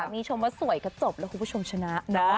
มีชมว่าสวยก็จบแล้วคุณผู้ชมชนะนะ